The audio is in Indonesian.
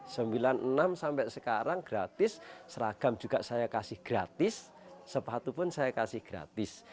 sembilan puluh enam sampai sekarang gratis seragam juga saya kasih gratis sepatu pun saya kasih gratis